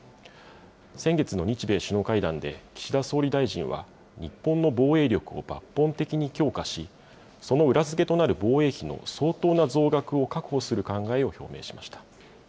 先月の日米首脳会談で、岸田総理大臣は、日本の防衛力を抜本的に強化し、その裏付けとなる防衛費の相当な増額を確保する考えを表明しました。